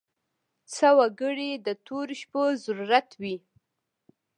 څه وګړي د تورو شپو ضرورت وي.